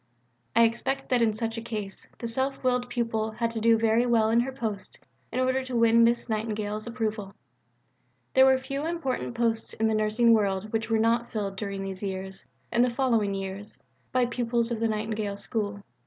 I expect that in such a case the self willed pupil had to do very well in her post in order to win Miss Nightingale's approval. There were few important posts in the nursing world which were not filled during these and the following years by pupils of the Nightingale School.